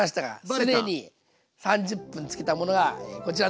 既に３０分つけたものがこちらになります。